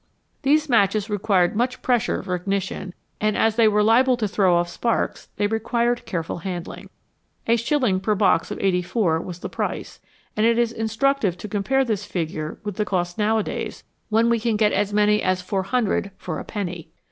These matches required much pressure for ignition, and as they were liable to throw off sparks, they required careful handling. A shilling per box of eighty four was the price, and it is instructive to compare this figure with the cost nowadays, when we can get as many as four hundred for a penny.